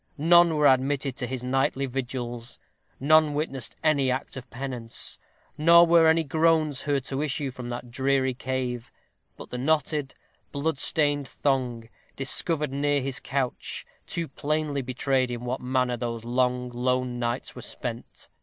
None were admitted to his nightly vigils; none witnessed any act of penance; nor were any groans heard to issue from that dreary cave; but the knotted, blood stained thong, discovered near his couch, too plainly betrayed in what manner those long lone nights were spent.